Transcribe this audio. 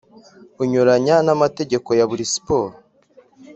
unyuranya n amategeko ya buri siporo